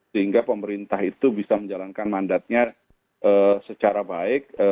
sehingga pemerintah itu bisa menjalankan mandatnya secara baik